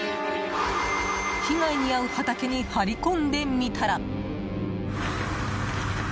被害に遭う畑に張り込んでみたら。